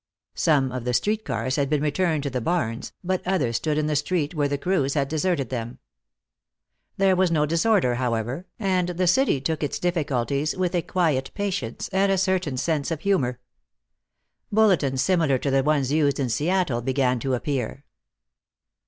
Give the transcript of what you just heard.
Some of the street cars had been returned to the barns, but others stood in the street where the crews had deserted them. There was no disorder, however, and the city took its difficulties with a quiet patience and a certain sense of humor. Bulletins similar to the ones used in Seattle began to appear.